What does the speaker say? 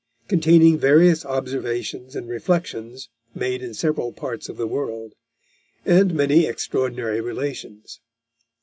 _containing various observations and reflections made in several parts of the world; and many extraordinary relations.